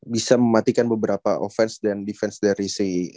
bisa mematikan beberapa offense dan defense dari si